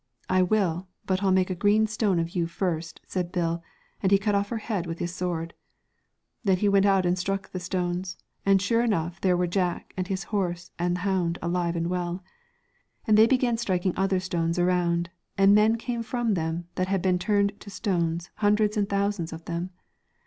' I will, but I'll make a green stone of you first,' said Bill, and he cut off her head with his sword. Then he went out and struck the stones, and sure enough there were Jack, and his horse and hound, alive and well. And they began striking other stones around, and men came from them, that had been turned to stones, hundreds and thousands of them.